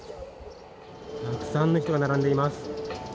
たくさんの人が並んでいます。